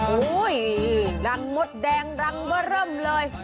โอ้ยยหลังหมดแดงหลังเบอรั่มเลย